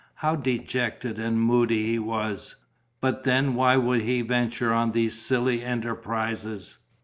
How dejected and moody he was! But then why would he venture on those silly enterprises?...